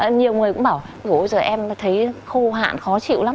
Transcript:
nhiều người cũng bảo gỗ giờ em thấy khô hạn khó chịu lắm